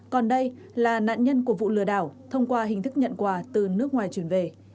còn đây là nạn nhân của vụ lừa đảo thông qua hình thức nhận quà từ nước ngoài chuyển về